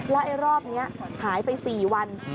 แล้วไอ้รอบนี้หายไป๔วัน